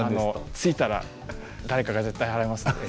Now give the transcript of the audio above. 着いたら誰かが絶対払いますって。